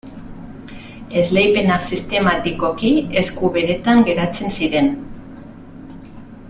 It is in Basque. Esleipenak sistematikoki esku beretan geratzen ziren.